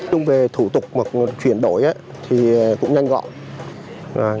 chúng về thủ tục chuyển đổi thì cũng nhanh gọn